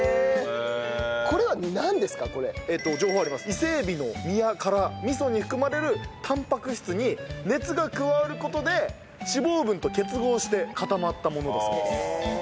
伊勢エビの身や殻ミソに含まれるタンパク質に熱が加わる事で脂肪分と結合して固まったものだそうです。